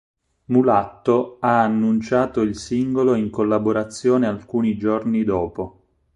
Mulatto ha annunciato il singolo in collaborazione alcuni giorni dopo.